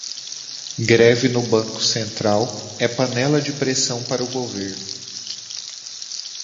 Greve no Banco Central é panela de pressão para o governo